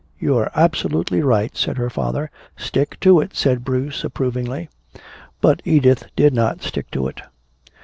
"You're absolutely right," said her father. "Stick to it," said Bruce approvingly. But Edith did not stick to it.